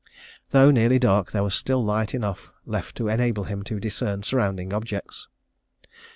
"Though nearly dark, there was still light enough left to enable him to discern surrounding objects.